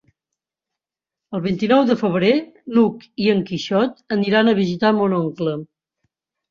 El vint-i-nou de febrer n'Hug i en Quixot aniran a visitar mon oncle.